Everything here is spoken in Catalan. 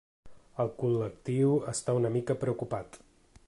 El col·lectiu està una mica preocupat.